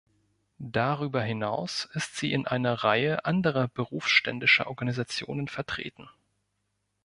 Darüber hinaus ist sie in einer Reihe anderer berufsständischer Organisationen vertreten.